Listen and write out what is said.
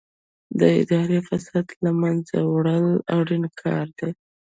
د اداري فساد له منځه وړل اړین کار دی.